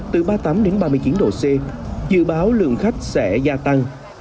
từ ba mươi tám ba mươi chín độ c dự báo lượng khách sẽ gia tăng